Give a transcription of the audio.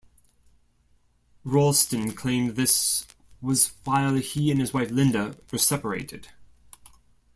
Ralston claimed this was while he and his wife Linda were separated.